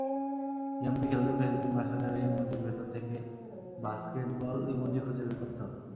গেমটি খেলতে ফেসবুক মেসেঞ্জারের ইমোজির ভেতর থেবে বাস্কেটবল ইমোজি খুঁজে বের করতে হবে।